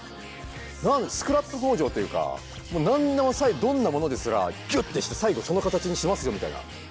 スクラップ工場っていうか何でもどんなものですらギュッてして最後その形にしますよみたいな。